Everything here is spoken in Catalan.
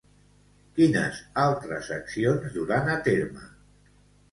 Quines altres accions duran a terme?